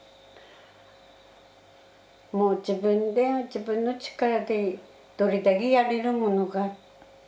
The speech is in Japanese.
もう自分で自分の力でどれだけやれるものか。